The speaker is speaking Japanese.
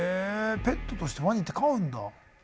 ペットとしてワニって飼うんだ。